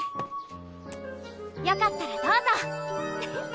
よかったらどうぞ！